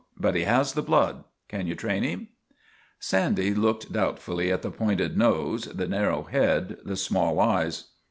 But he has the blood. Can you train him ?' Sandy looked doubtfully at the pointed nose, the narrow head, the small eyes.